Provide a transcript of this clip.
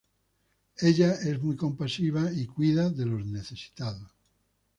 Ella es muy compasiva, y cuida de los necesitados.